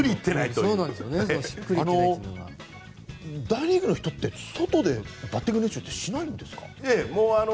大リーグの人って外でバッティング練習ってしないんですか？